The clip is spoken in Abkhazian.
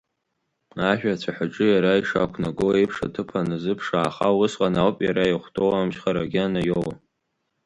Ажәа ацәаҳәаҿы иара ишақәнагоу еиԥш аҭыԥ аназыԥшааха, усҟан ауп иара иахәҭоу амчхарагьы анаиоуа.